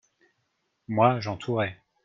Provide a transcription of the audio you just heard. Moi, j’entourais.